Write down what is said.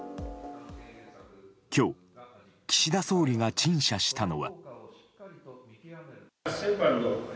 今日岸田総理が陳謝したのは。